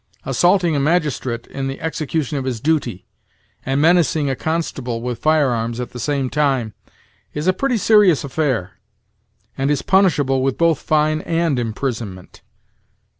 Assaulting a magistrate in the execution of his duty, and menacing a constable with firearms at the same time, is a pretty serious affair, and is punishable with both fine and imprisonment."